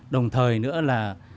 đồng thời nữa là